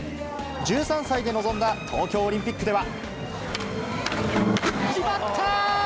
１３歳で臨んだ東京オリンピック決まった！